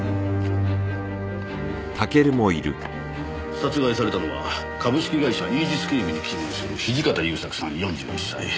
殺害されたのは株式会社イージス警備に勤務する土方勇作さん４１歳。